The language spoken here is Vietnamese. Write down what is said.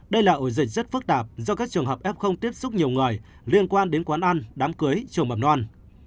đây là ổ dịch rất phức tạp do các trường hợp f tiếp xúc nhiều người liên quan đến quán ăn đám cưới trường mầm non